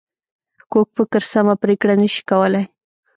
کوږ فکر سمه پرېکړه نه شي کولای